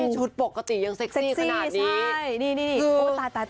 ชุดปกติยังเซ็กซี่ขนาดนี้